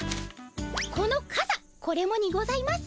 このかさこれもにございます。